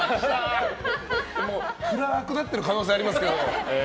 でも暗くなってる可能性もありますから。